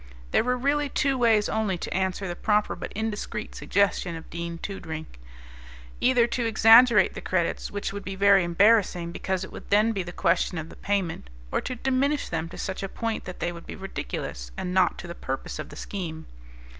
There were really two ways only to answer the proper but indiscreet suggestion of Dean Toodrink. Either to exaggerate the credits, which would be very embarrassing, because it would then be the question of the payment, or to diminish them to such a point that they would be ridiculous and not to the purpose of the scheme.